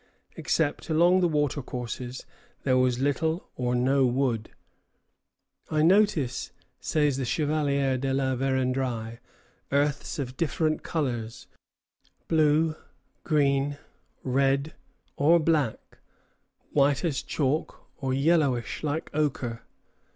Except along the watercourses, there was little or no wood. "I noticed," says the Chevalier de la Vérendrye, "earths of different colors, blue, green, red, or black, white as chalk, or yellowish like ochre."